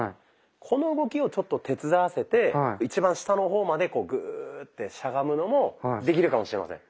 この動きをちょっと手伝わせて一番下の方までこうグーッてしゃがむのもできるかもしれません。